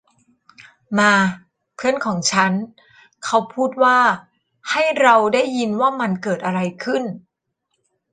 มา เพื่อนของฉัน เขาพูดว่า ’’ให้เราได้ยินว่ามันเกิดอะไรขึ้น ! ’’